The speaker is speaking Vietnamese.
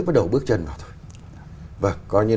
bắt đầu bước chân vào thôi